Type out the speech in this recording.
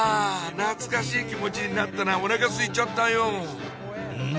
懐かしい気持ちになったらおなかすいちゃったよん？